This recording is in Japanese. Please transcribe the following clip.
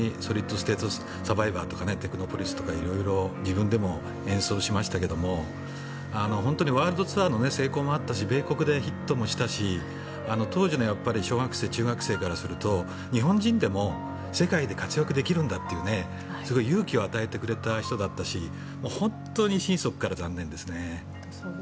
「テクノポリス」とか自分でも演奏しましたが本当にワールドツアーの成功もあったし米国でヒットもしたし当時の小学生、中学生からすると日本人でも世界で活躍できるんだという勇気を与えてくれた人だったし本当に心底から残念ですね。